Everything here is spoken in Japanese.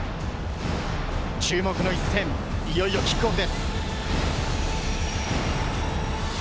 注目の一戦、いよいよキックオフです。